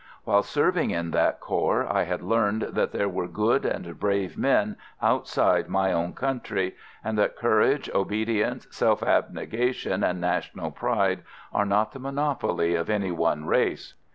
While serving in that corps I had learned that there were good and brave men outside my own country, and that courage, obedience, self abnegation and national pride are not the monopoly of any one race.